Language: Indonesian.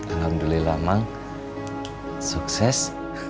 alhamdulillah bang sukses